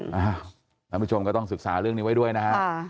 ท่านผู้ชมก็ต้องศึกษาเรื่องนี้ไว้ด้วยนะฮะ